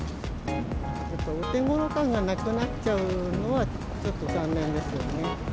お手ごろ感がなくなっちゃうのは、ちょっと残念ですよね。